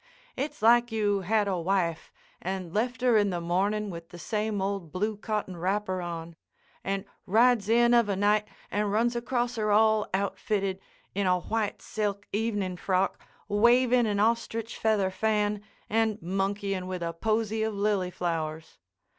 It's like you had a wife and left her in the morning with the same old blue cotton wrapper on, and rides in of a night and runs across her all outfitted in a white silk evening frock, waving an ostrich feather fan, and monkeying with a posy of lily flowers.